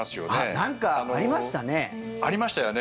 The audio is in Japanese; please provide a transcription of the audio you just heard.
なんかありましたね。